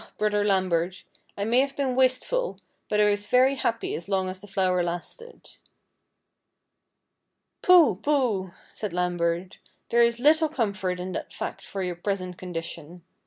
brother Lam bert, I may have been wasteful, but I was very happy as long as the flower lasted." " Pooh ! pooh !" said Lambert :" there is little comfort in that fact for your present condition.